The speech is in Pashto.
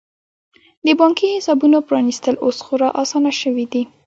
د بانکي حسابونو پرانیستل اوس خورا اسانه شوي دي.